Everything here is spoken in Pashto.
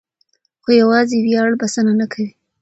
خو یوازې ویاړ بسنه نه کوي.